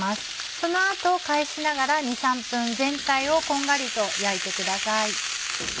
その後返しながら２３分全体をこんがりと焼いてください。